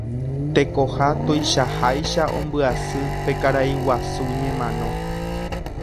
Tekoha tuichaháicha ombyasy pe karai guasu ñemano.